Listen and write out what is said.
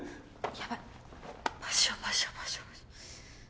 やばい場所場所。